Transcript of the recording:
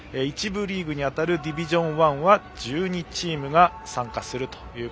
１部リーグにあたるディビジョン１は１２チームが参加。